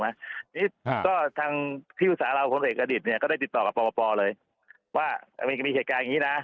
อันนี้ก็ทางที่อุตสาหรับเราก็ได้ติดต่อกับปปเลยว่าเอาไงมีเหตุการณ์อย่างนี้นะ